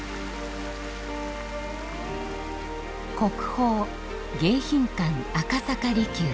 国宝迎賓館赤坂離宮。